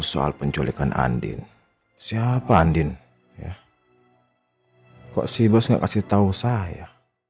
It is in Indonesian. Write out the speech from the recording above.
soal penculikan andin siapa andin ya kok si bos enggak kasih tahu saya